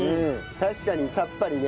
確かにさっぱりね。